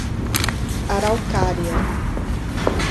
Araucária